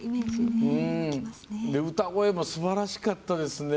歌声もすばらしかったですね。